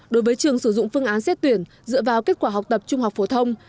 đối với trường sử dụng phương án xét tuyển dựa vào kết quả học tập trung học phổ thông